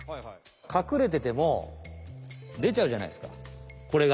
かくれてても出ちゃうじゃないですかこれが。